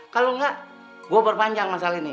kalau enggak gue perpanjang masalah ini